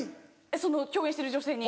その共演してる女性に。